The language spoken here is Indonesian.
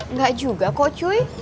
nggak juga kok cu